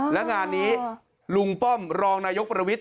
และงานนี้ลุงป้อมรองนายกประวิทย